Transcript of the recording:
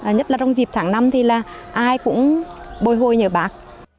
nhất là trong dịp tháng năm thì là ai cũng bồi hồi nhớ bác